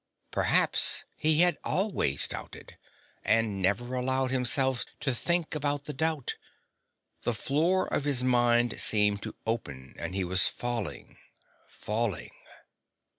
Perhaps he had always doubted, and never allowed himself to think about the doubt. The floor of his mind seemed to open and he was falling, falling....